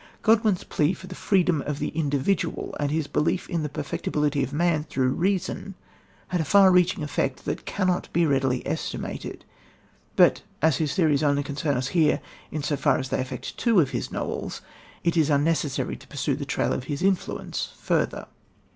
Godwin's plea for the freedom of the individual and his belief in the perfectibility of man through reason had a far reaching effect that cannot be readily estimated, but, as his theories only concern us here in so far as they affect two of his novels, it is unnecessary to pursue the trail of his influence further.